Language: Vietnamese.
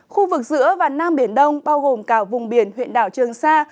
khu vực giữa và nam biển đông bao gồm cả vùng biển huyện đảo trường sa